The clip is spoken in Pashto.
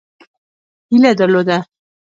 هیله درلوده.